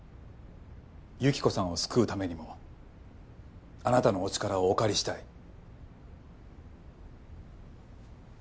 幸子さんを救うためにもあなたのお力をお借りしたい。